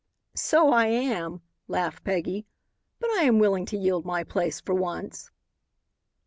"So I am," laughed Peggy, "but I am willing to yield my place for once."